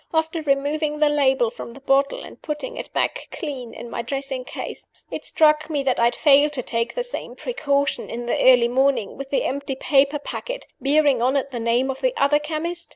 "After removing the label from the bottle, and putting it back, clean, in my dressing case, it struck me that I had failed to take the same precaution (in the early morning) with the empty paper packet, bearing on it the name of the other chemist.